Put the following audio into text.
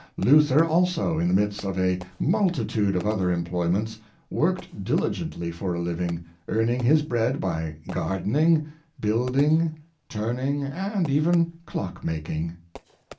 Luther also, in the midst of a multi tude of other employments, worked dilligently for a liv ing, earning his bread by gardening, building, turning, and even clock making.